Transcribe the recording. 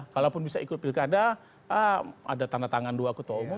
kalaupun bisa ikut pilkada ada tanda tangan dua ketua umum